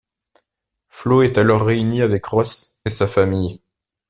Flo est alors réunie avec Ross et sa famille.